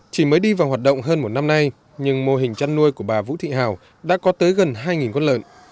chỉ mới đi vào hoạt động hơn một năm nay nhưng mô hình chăn nuôi của bà vũ thị hào đã có tới gần hai con lợn